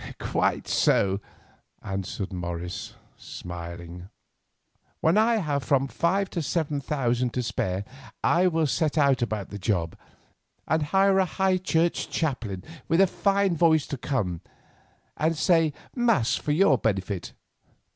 "Quite so," answered Morris, smiling. "When I have from five to seven thousand to spare I will set about the job, and hire a high church chaplain with a fine voice to come and say Mass for your benefit.